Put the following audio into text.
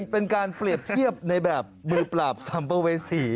เป็นการเปรียบเทียบในแบบมือปราบสัมภเวษี